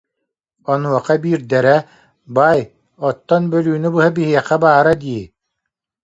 Онуоха биирдэрэ: «Бай, оттон бөлүүнү быһа биһиэхэ баара дии